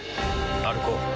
歩こう。